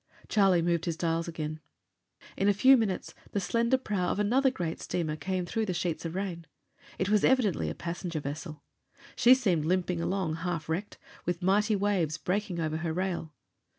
Charlie moved his dials again. In a few minutes the slender prow of another great steamer came through the sheets of rain. It was evidently a passenger vessel. She seemed limping along, half wrecked, with mighty waves breaking over her rail.